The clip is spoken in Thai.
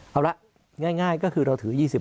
เอาละง่ายก็คือเราถือ๒๐